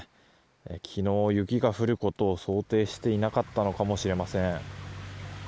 昨日、雪が降ることを想定していなかったのかもしれません。